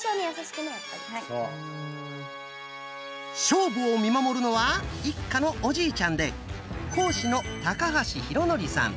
勝負を見守るのは一家のおじいちゃんで講師の高橋浩徳さん。